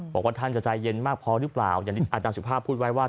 บอกว่าท่านจะใจเย็นมากพอหรือเปล่าอย่างที่อาจารย์สุภาพพูดไว้ว่า